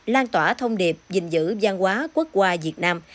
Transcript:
lan tỏa thông điệp dình dữ gian hóa quốc qua việt nam